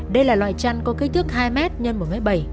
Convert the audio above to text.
đây là loại chăn có kích thước hai m x một m bảy